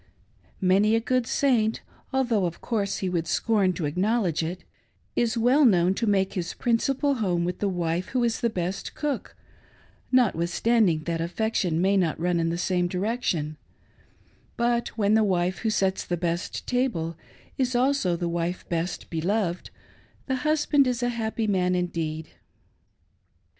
Many a good Saint, although, of course, he would scorn to acknowledge it, is wtell known to make his principal home with the wife who is the best cook, notwith standing that affection may not run in the same direction ; but when the wife Vvho sets the best table is also the wife best beloved, the husband is a happy man indeed.